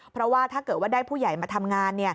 เพราะว่าถ้าเกิดว่าได้ผู้ใหญ่มาทำงาน